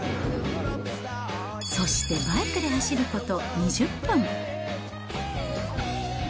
そしてバイクで走ること２０分。